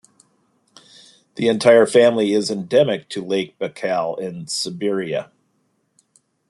The entire family is endemic to Lake Baikal in Siberia.